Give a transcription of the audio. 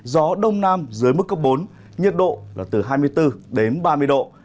gió đông nam dưới mức cấp bốn nhiệt độ là từ hai mươi bốn đến ba mươi độ